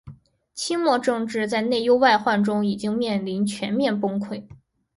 清末政治在内忧外患中已经面临全面崩溃。